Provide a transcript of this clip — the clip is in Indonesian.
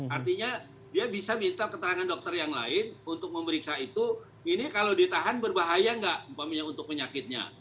artinya dia bisa minta keterangan dokter yang lain untuk memeriksa itu ini kalau ditahan berbahaya nggak untuk penyakitnya